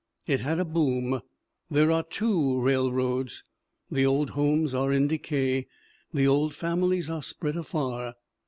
It had a boom. There are two railroads. The old homes are in decay. The old families are spread afar.